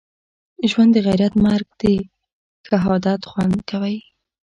ژوند دغیرت مرګ دښهادت خوند کوی